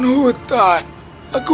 aku harap bertemu dengan teman lamaku